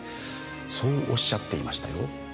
そうおっしゃっていましたよ。